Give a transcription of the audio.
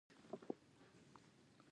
د هند مساله جات نړۍ ته ځي.